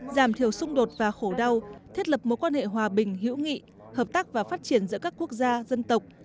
giảm thiểu xung đột và khổ đau thiết lập mối quan hệ hòa bình hữu nghị hợp tác và phát triển giữa các quốc gia dân tộc